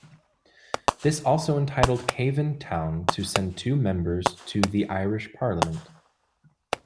This also entitled Cavan town to send two members to the Irish parliament.